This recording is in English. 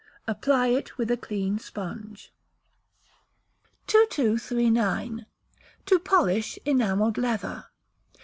Apply it with a clean sponge. 2239. To Polish Enamelled Leather.